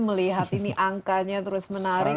melihat ini angkanya terus menarik